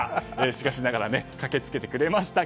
しかしながら駆けつけてくれました